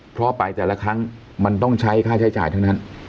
เพราะไปแต่ละครั้งมันต้องใช้ค่าใช้จ่ายทั้งนั้น